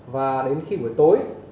và đến khi buổi tối